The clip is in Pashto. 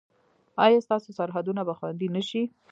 ایا ستاسو سرحدونه به خوندي نه شي؟